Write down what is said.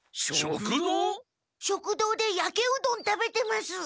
食堂でやけうどん食べてます。